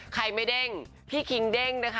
ใครไม่เด้งพี่คิงเด้งนะคะ